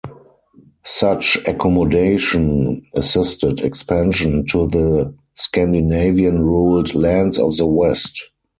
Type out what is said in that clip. Such accommodation assisted expansion to the Scandinavian-ruled lands of the west.